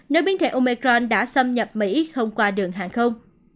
nếu biến thể omecron đã xâm nhập mỹ không qua đường hàng không